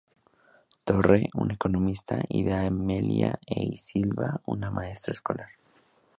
Torre, un economista, y de Amelia E. Silva, una maestra escolar.